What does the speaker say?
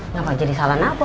ngga mau jadi salah nabok